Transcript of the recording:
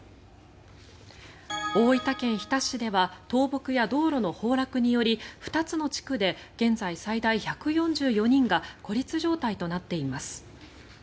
大分県日田市では倒木や道路の崩落により２つの地区で現在最大１４４人が孤立状態となっています。